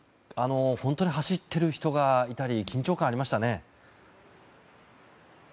本当に走っている人がいたり緊張感がありましたね。